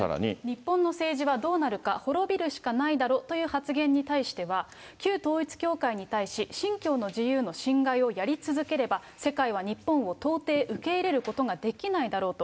日本の政治はどうなるか、滅びるしかないだろという発言に対しては、旧統一教会に対し、信教の自由の侵害をやり続ければ、世界は日本を到底受け入れることができないだろうと。